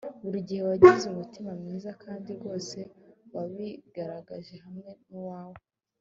burigihe wagize umutima mwiza kandi rwose wabigaragaje hamwe nuwawe